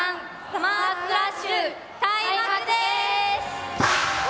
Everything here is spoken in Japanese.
サマースプラッシュ開幕です。